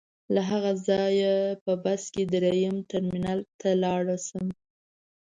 له هغه ځایه په بس کې درېیم ټرمینل ته لاړ شم.